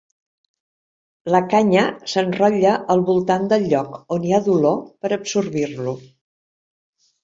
La canya s'enrotlla al voltant del lloc on hi ha dolor per absorbir-lo.